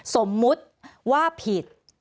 สมมุติว่าผิด